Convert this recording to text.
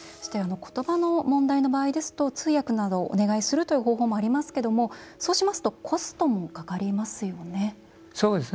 言葉の問題の場合ですと通訳などをお願いするという方法もありますけれども、そうしますとコストもかかりますよね。